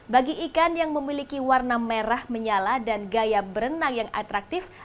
bagi ikan yang memiliki warna merah menyala dan gaya berenang yang atraktif